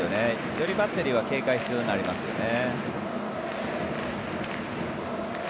よりバッテリーは警戒するようになりますよね。